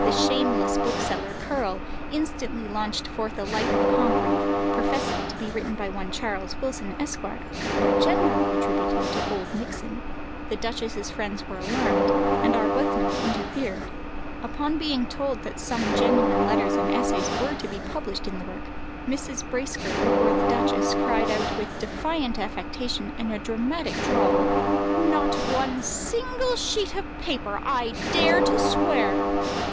The shameless bookseller, Curll, instantly launched forth a life of Congreve, professing to be written by one Charles Wilson, Esq., but generally attributed to Oldmixon. The duchess's friends were alarmed, and Arbuthnot interfered. Upon being told that some genuine letters and essays were to be published in the work, Mrs. Bracegirdle or the duchess cried out with defiant affectation and a dramatic drawl, "Not one single sheet of paper, I dare to swear."